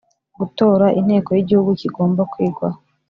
gutora Inteko y Igihugu kigomba kwigwaho